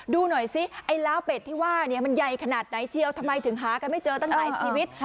ดูหน่อยซิไอ้ล้าวเป็ดที่ว่าเนี่ยมันใหญ่ขนาดไหนเชียวทำไมถึงหากันไม่เจอตั้งหลายชีวิต